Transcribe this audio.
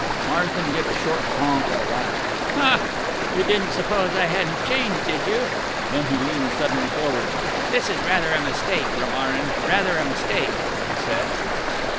Marsden gave a short honk of a laugh. "You didn't suppose I hadn't changed, did you?" Then he leaned suddenly forward. "This is rather a mistake, Romarin rather a mistake," he said.